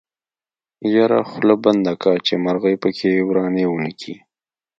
يره خوله بنده که چې مرغۍ پکې ورانی ونکي.